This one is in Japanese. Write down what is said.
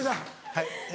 はい